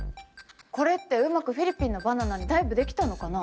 これってうまくフィリピンのバナナにダイブできたのかな？